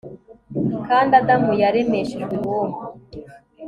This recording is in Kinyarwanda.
kandi adamu yaremeshejwe ibumba